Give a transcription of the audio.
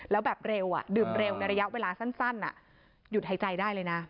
แล้วแบบเร็วดื่มเร็วในระยะเวลาสั้นหยุดหายใจได้เลยนะ